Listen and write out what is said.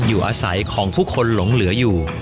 อยู่อาศัยของผู้คนหลงเหลืออยู่